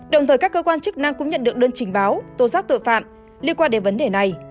đồng thời các cơ quan chức năng cũng nhận được đơn trình báo tố giác tội phạm liên quan đến vấn đề này